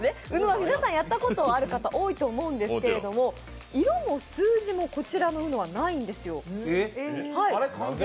ＵＮＯは皆さんやったことある方、多いと思うんですけど、色も数字も、こちらのＵＮＯはないんですよ。